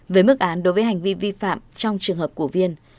với mức án đối với hành vi vi phạm trong trường hợp cổ viên